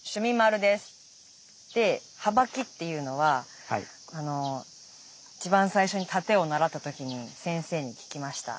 ではばきっていうのは一番最初に殺陣を習った時に先生に聞きました。